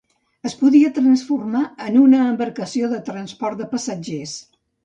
Es podia transformar en una embarcació de transport de passatgers.